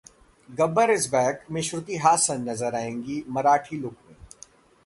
'Gabbar is back' में श्रुति हासन नजर आएंगी मराठी लुक में